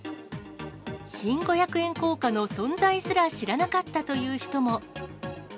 新五百円硬貨の存在すら知らなかったという人も。